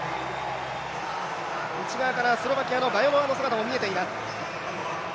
後ろ側からスロバキアのガヨノワの姿も見えています。